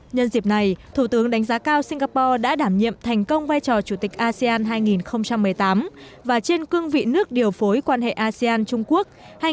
nhân dịp này thủ tướng đánh giá cao singapore đã đảm nhiệm thành công vai trò chủ tịch asean hai nghìn một mươi tám và trên cương vị nước điều phối quan hệ asean trung quốc hai nghìn một mươi hai nghìn một mươi